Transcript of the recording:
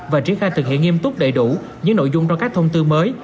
và triển khai thực hiện nghiêm túc đầy đủ những nội dung trong các thông tư mới